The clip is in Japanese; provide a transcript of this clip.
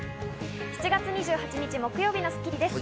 ７月２８日、木曜日の『スッキリ』です。